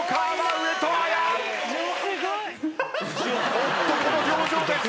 おっとこの表情です！